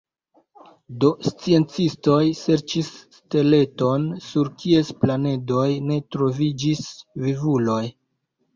Do sciencistoj serĉis steleton sur kies planedoj ne troviĝis vivuloj.